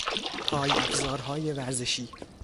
پای افزارهای ورزشی